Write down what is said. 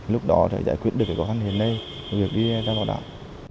lúc đó sẽ giải quyết được cái khó khăn hiện nay việc đi ra vào đảo